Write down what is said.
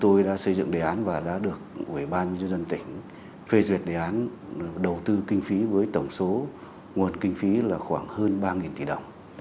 ủy ban nhân dân tỉnh phê duyệt đề án đầu tư kinh phí với tổng số nguồn kinh phí là khoảng hơn ba tỷ đồng